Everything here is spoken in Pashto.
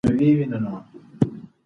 هغه یو غلطه لاره غوره کړه.